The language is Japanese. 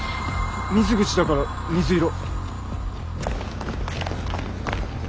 水口だから水色。